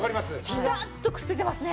ピタッとくっついてますね。